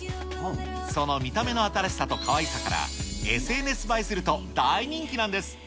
その見た目の新しさとかわいさから、ＳＮＳ映えすると、大人気なんです。